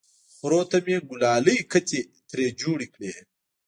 خرو ته مې ګلالۍ کتې ترې جوړې کړې!